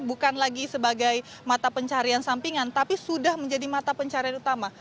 bukan lagi sebagai mata pencarian sampingan tapi sudah menjadi mata pencarian utama